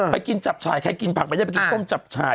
ไปกินจับฉายใครกินผักไม่ได้ไปกินต้มจับฉาย